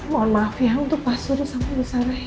mohon maaf ya untuk pak surya sama bu sara ya